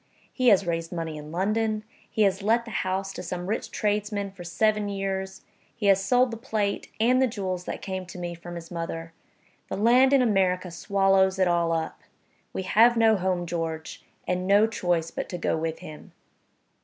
He has raised money in London; he has let the house to some rich tradesman for seven years; he has sold the plate, and the jewels that came to me from his mother. The land in America swallows it all up. We have no home, George, and no choice but to go with him."